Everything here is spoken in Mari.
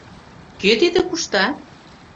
Кӧ тиде кушта?